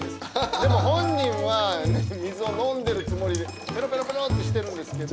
でも本人は水を飲んでるつもりでペロペロペロってしてるんですけど。